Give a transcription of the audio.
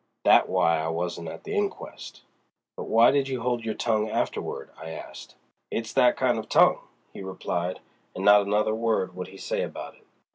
That's why I wasn't at the inquest." "But why did you hold your tongue afterward?" I asked. "It's that kind of tongue," he replied, and not another word would he say about it.